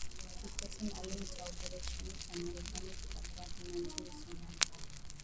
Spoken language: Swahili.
kikosi maalum cha oparesheni cha Marekani kitakuwa tena nchini Somalia